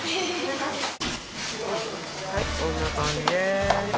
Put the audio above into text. はいこんな感じです。